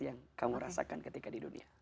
yang kamu rasakan ketika di dunia